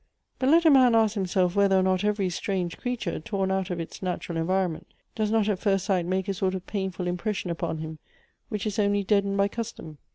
But let a man ask himself whether or not every strange creature, torn out of its natural environment, does not at first sight make a sort of painful impression upon him, which is only deadened by custom.